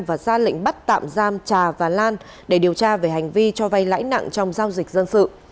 và ra lệnh bắt tạm giam trà và lan để điều tra về hành vi cho vay lãi nặng trong giao dịch dân sự